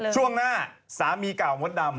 ช่วงหน้าสามีเก่ามดดำ